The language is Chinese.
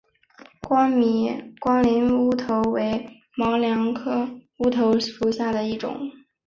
米林乌头为毛茛科乌头属下的一个种。